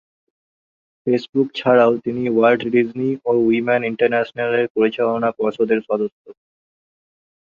Facebook ছাড়াও তিনি Walt Disney ও উইমেন ইন্টারন্যাশনালের পরিচালনা পর্ষদের সদস্য।